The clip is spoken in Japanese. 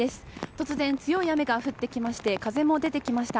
突然、強い雨が降ってきまして風も出てきました。